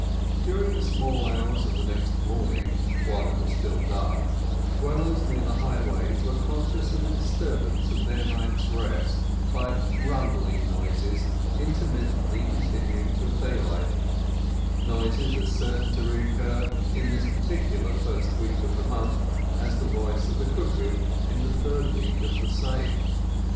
LII During the small hours of the next morning, while it was still dark, dwellers near the highways were conscious of a disturbance of their night's rest by rumbling noises, intermittently continuing till daylight—noises as certain to recur in this particular first week of the month as the voice of the cuckoo in the third week of the same.